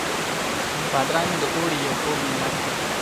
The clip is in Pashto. بادرنګ د اوړي یو خوږ نعمت دی.